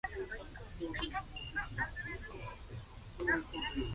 中華人民共和国